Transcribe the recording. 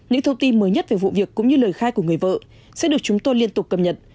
những thông tin mới nhất về vụ việc cũng như lời khai của người vợ sẽ được chúng tôi liên tục cập nhật